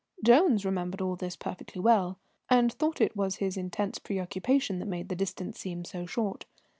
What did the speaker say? Jones remembered all this perfectly well, and thought it was his intense preoccupation that made the distance seem so short.